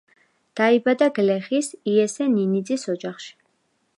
დაიბადა გლეხის, იესე ნინიძის ოჯახში.